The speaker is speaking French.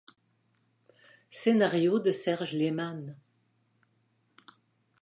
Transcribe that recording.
Scénario de Serge Lehman.